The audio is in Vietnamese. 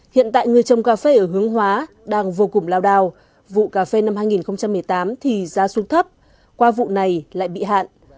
hiện tại người trồng cà phê ở hướng hóa đang vô cùng lao đào vụ cà phê năm hai nghìn một mươi tám thì giá xuống thấp qua vụ này lại bị hạn